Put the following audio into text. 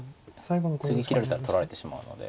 次切られたら取られてしまうので。